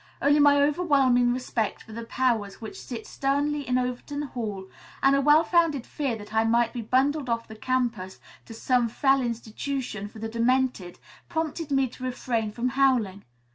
Only my overwhelming respect for the powers which sit sternly in Overton Hall, and a well founded fear that I might be bundled off the campus to some fell institution for the demented, prompted me to refrain from howling.